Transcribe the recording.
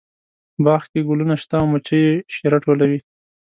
باغ کې ګلونه شته او مچۍ یې شیره ټولوي